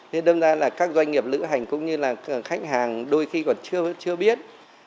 nên đâm ra là các doanh nghiệp lữ hành cũng như là khách hàng đôi khi còn chưa biết